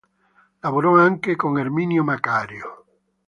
Lavorò anche con Erminio Macario.